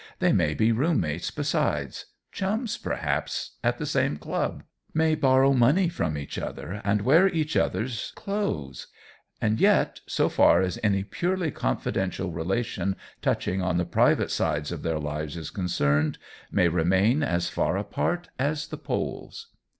They may be room mates besides; chums, perhaps, at the same club; may borrow money from each other and wear each other's clothes; and yet, so far as any purely confidential relation touching on the private sides of their lives is concerned, may remain as far apart as the poles.